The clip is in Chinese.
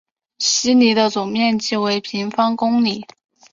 希尼的总面积为平方公里。